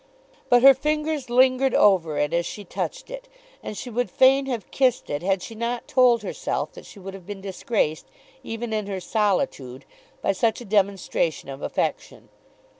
But her fingers lingered over it as she touched it, and she would fain have kissed it, had she not told herself that she would have been disgraced, even in her solitude, by such a demonstration of affection.